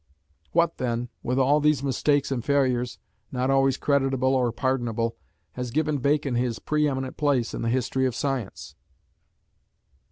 What, then, with all these mistakes and failures, not always creditable or pardonable, has given Bacon his preeminent place in the history of science?